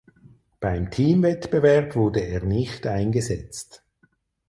Beim Teamwettbewerb wurde er nicht eingesetzt.